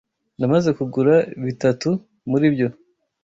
Namaze kugura bitatu muri byo.